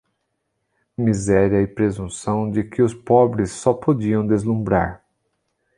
Miséria e presunção de que os pobres só podiam deslumbrar!